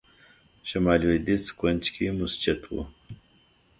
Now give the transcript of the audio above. شمال لوېدیځ کونج کې مسجد و.